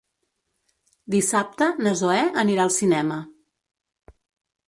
Dissabte na Zoè anirà al cinema.